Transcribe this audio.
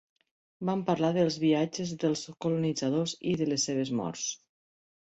Van parlar dels viatges dels colonitzadors i de les seves morts.